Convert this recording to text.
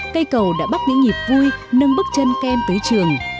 cây cầu đã bắt những nhịp vui nâng bước chân kem tới trường